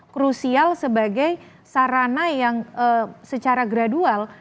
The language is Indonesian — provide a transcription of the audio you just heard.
krusial sebagai sarana yang secara gradual